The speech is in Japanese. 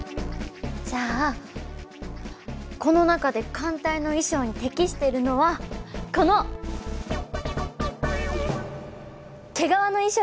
じゃあこの中で寒帯の衣装に適しているのはこの毛皮の衣装ですね。